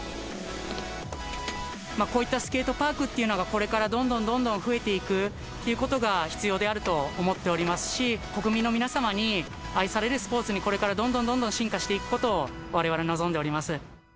こういったスケートパークっていうのがこれからどんどんどんどん増えていくっていうことが必要であると思っておりますし、国民の皆様に愛されるスポーツに、これからどんどんどんどん進化していくことをわれわれ望んでおります。